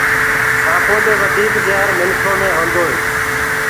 سآنٚپو دي وڌيڪ جهر منکو مي هونٚدوئي